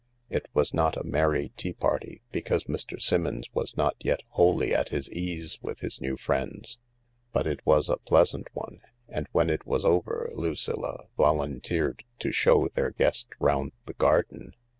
It was not a merry tea party, because Mr. Simmons was not yet wholly at his ease with his new friends, but it was a pleasant one, and when it was over Lucilla volunteered to show their guest round the garden.